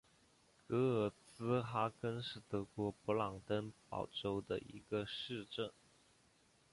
格尔茨哈根是德国勃兰登堡州的一个市镇。